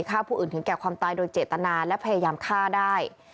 ฆ่าผู้อื่นถึงแก่ความตายโดยเจตนาและพยายามฆ่าได้